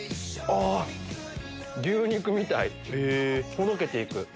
ほどけていく。